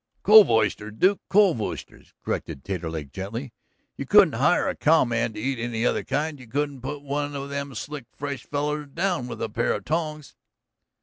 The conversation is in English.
"Cove oysters, Duke, cove oysters," corrected Taterleg gently. "You couldn't hire a cowman to eat any other kind, you couldn't put one of them slick fresh fellers down him with a pair of tongs."